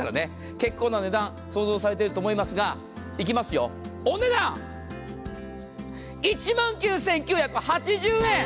結構な値段想像されていると思いますがいきますよ、お値段１万９９８０円。